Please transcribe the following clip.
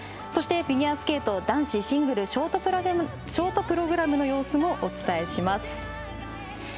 そして、フィギュアスケート男子シングルショートプログラムの様子もお伝えします。